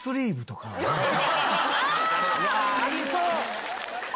いやありそう！